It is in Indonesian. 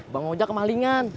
bang moja kemalingan